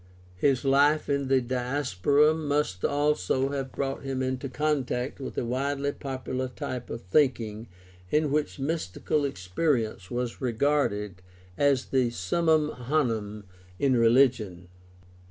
His life in the Diaspora must also have brought him into contact with a widely popular type of thinking in which mys tical experience was regarded as the summum honum in religion.